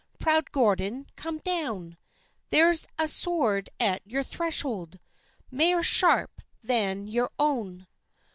Proud Gordon, come down, There's a sword at your threshold Mair sharp than your own."